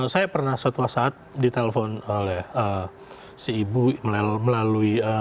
saya pernah suatu saat ditelepon oleh si ibu melalui